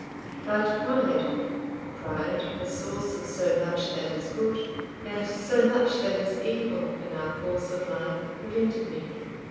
But pride pride, the source of so much that is good and so much that is evil in our course of life, prevented me.